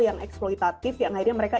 yang eksploitatif yang akhirnya mereka